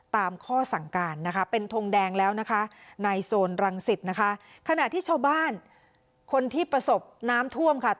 ตามข้อสั่งการนะคะเป็นทงแดงแล้วนะคะในโซนรังสิทธิ์นะคะ